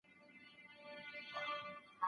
څه ډول شرایط د بندیانو لپاره اړین دي؟